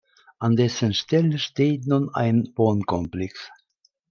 An dessen Stelle steht nun ein Wohnkomplex.